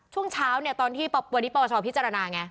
ช่วงเช้าเนี่ยวันนี้ปราวชพิจารณาไง